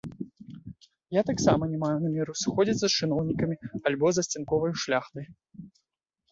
Я таксама не маю намеру сыходзіцца з чыноўнікамі альбо засцянковаю шляхтаю.